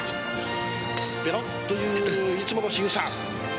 ペロッといういつもの仕草。